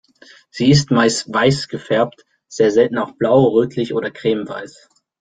Sie ist meist weiß gefärbt, sehr selten auch blau, rötlich oder cremeweiß.